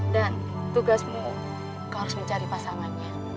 dan tugasmu kau harus mencari pasangannya